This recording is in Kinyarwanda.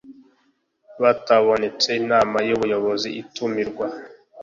batabonetse Inama y Ubuyobozi itumirwa